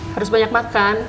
harus banyak makan